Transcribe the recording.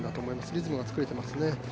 リズムが作れてますね。